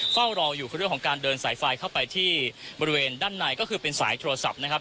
เฝ้ารออยู่คือเรื่องของการเดินสายไฟเข้าไปที่บริเวณด้านในก็คือเป็นสายโทรศัพท์นะครับ